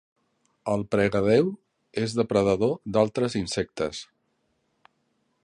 El pregadéu és depredador d'altres insectes.